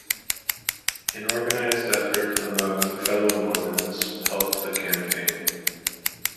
An organized effort among fellow Mormons helped the campaign.